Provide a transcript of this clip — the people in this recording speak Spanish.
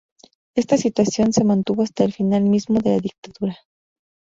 Esta situación se mantuvo hasta el final mismo de la dictadura.